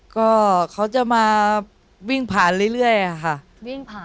ก็เขาจะมาวิ่งผ่านเรื่อยค่ะวิ่งผ่าน